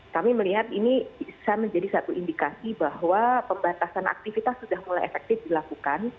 kami melihat ini bisa menjadi satu indikasi bahwa pembatasan aktivitas sudah mulai efektif dilakukan